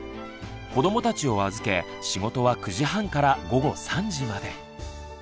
子どもたちを預け仕事は９時半から午後３時まで。